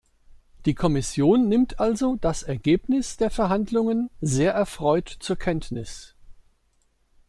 Die Kommission nimmt also das Ergebnis der Verhandlungen sehr erfreut zur Kenntnis.